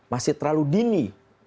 masih terlalu dini